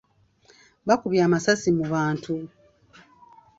Bakubye amasasi mu bantu.